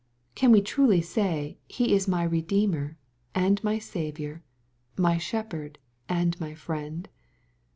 Can we truly say He is my Redeemer, and my Saviour, m) Shepherd, and my Friend